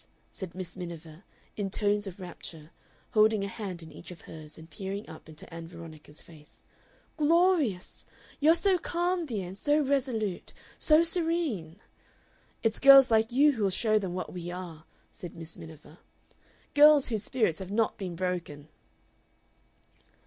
said Miss Miniver in tones of rapture, holding a hand in each of hers and peering up into Ann Veronica's face. "Glorious! You're so calm, dear, and so resolute, so serene! "It's girls like you who will show them what We are," said Miss Miniver; "girls whose spirits have not been broken!"